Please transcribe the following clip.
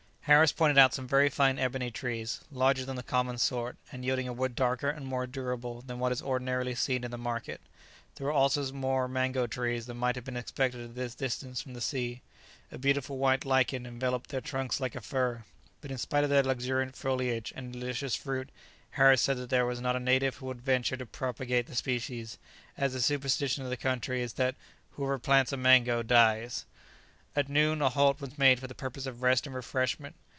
Harris pointed out some very fine ebony trees, larger than the common sort, and yielding a wood darker and more durable than what is ordinarily seen in the market. There were also more mango trees than might have been expected at this distance from the sea; a beautiful white lichen enveloped their trunks like a fur; but in spite of their luxuriant foliage and delicious fruit, Harris said that there was not a native who would venture to propagate the species, as the superstition of the country is that "whoever plants a mango, dies!" [Illustration: Occasionally the soil became marshy.] At noon a halt was made for the purpose of rest and refreshment.